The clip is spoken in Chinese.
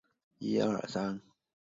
第一支摇滚乐队是万李马王乐队。